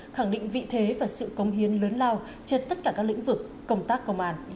khẳng định vị thế và sự công hiến lớn lao trên tất cả các lĩnh vực công tác công an